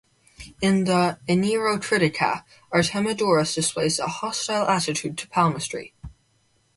In the "Oneirocritica," Artemidorus displays a hostile attitude to palmistry.